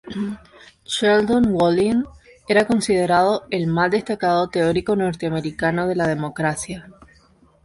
Sheldon Wolin era considerado el más destacado teórico norteamericano de la democracia.